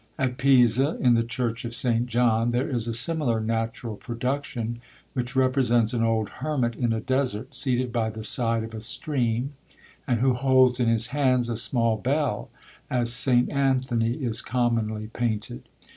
At Pisa, in the church of St. John, there is a similar natural production, which represents an old hermit in a desert, seated by the side of a stream, and who holds in his hands a small bell, as St. Anthony is commonly painted.